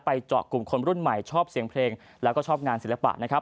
เจาะกลุ่มคนรุ่นใหม่ชอบเสียงเพลงแล้วก็ชอบงานศิลปะนะครับ